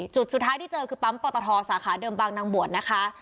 จุดสุดท้ายที่เจอคือปั๊มปตทสาขาเดิมบางนางบวชนะคะ